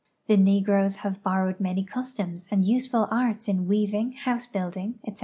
The negroes have borrowed many customs and useful arts in weaving, house building, etc.